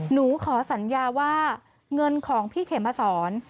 หนูขอสัญญาว่าเงินของพี่เขมสอน